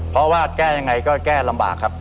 เพราะว่าแก้ยังไงก็แก้ลำบากครับ